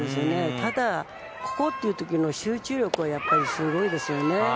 ただ、ここという時の集中力はすごいですよね。